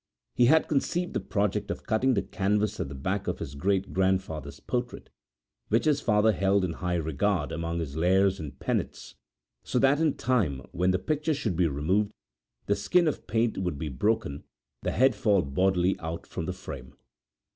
He had conceived the project of cutting the canvas at the back of his great grandfather's portrait, which his father held in high regard among his lares and penates, so that in time when the picture should be moved the skin of paint would be broken, the head fall bodily out from the frame.